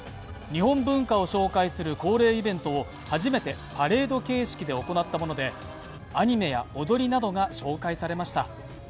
日本文化を紹介する恒例イベントを初めてパレード形式で行ったものでアニメや踊りなどが紹介されました。